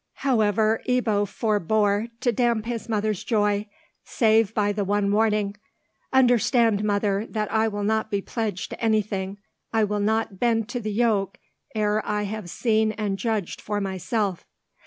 However Ebbo forbore to damp his mother's joy, save by the one warning—"Understand, mother, that I will not be pledged to anything. I will not bend to the yoke ere I have seen and judged for myself."